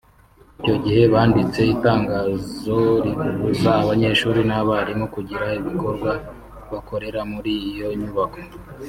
Icyo gihe banditse itangazo ribuza abanyeshuri n’abarimu kugira ibikorwa bakorera muri iyo nyubako